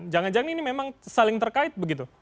jangan jangan ini memang saling terkait begitu